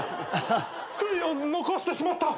悔いを残してしまった！